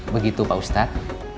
begitu pak ustadz